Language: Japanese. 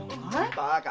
バカ！